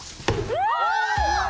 うわ！